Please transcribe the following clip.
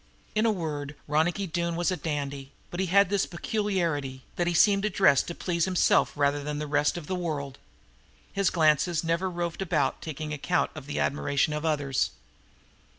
In a word Ronicky Doone was a dandy, but he had this peculiarity, that he seemed to dress to please himself rather than the rest of the world. His glances never roved about taking account of the admiration of others.